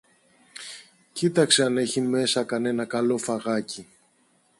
κοίταξε αν έχει μέσα κανένα καλό φαγάκι.